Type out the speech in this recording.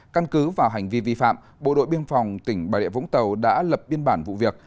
căn cứ vào hành vi vi phạm bộ đội biên phòng tỉnh bà địa vũng tàu đã lập biên bản vụ việc